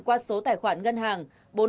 qua số tài khoản ngân hàng